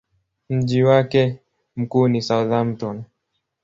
Mji wake mkuu ni Southampton.